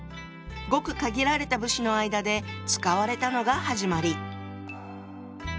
ごく限られた武士の間で使われたのが始まり。